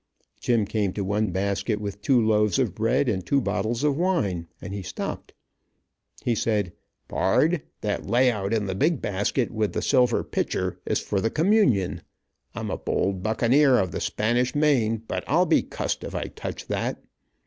Jim came to one basket with two loaves of bread and two bottles of wine, and he stopped. He said, "Pard, that lay out in the big basket, with the silver pitcher, is for the communion. I'm a bold buccaneer of the Spanish main, but I'll be cussed if I touch that."